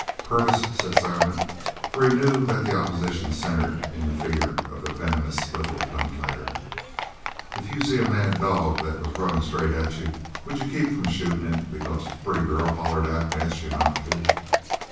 "Purvis," said Silent, for he knew that the opposition centred in the figure of the venomous little gun fighter; "if you seen a mad dog that was runnin' straight at you, would you be kep' from shootin' it because a pretty girl hollered out an' asked you not to?"